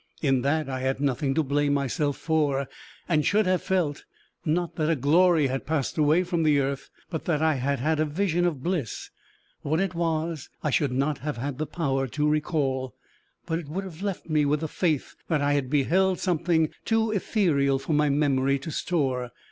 In that, I had nothing to blame myself for, and should have felt not that a glory had passed away from the earth, but that I had had a vision of bliss. What it was, I should not have had the power to recall, but it would have left with me the faith that I had beheld something too ethereal for my memory to store.